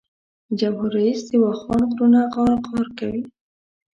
جمهور رییس د واخان غرونه غار غار کوي.